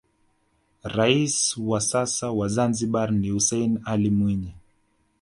raisi wa sasa wa zanzibar ni hussein alli mwinyi